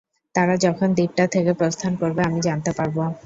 তারা যখন দ্বীপটা থেকে প্রস্থান করবে আমি জানতে পারবো।